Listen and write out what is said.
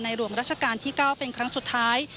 หลวงราชการที่๙เป็นครั้งสุดท้าย